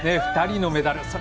２人のメダル。